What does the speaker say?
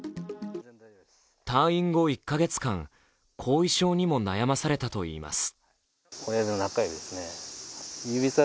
退院後１カ月間後遺症にも悩まされたといいます。